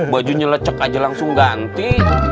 bajunya lecek aja langsung ganti